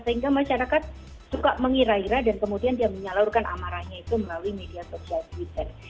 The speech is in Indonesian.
sehingga masyarakat suka mengira ira dan kemudian dia menyalurkan amarahnya itu melalui media sosial twitter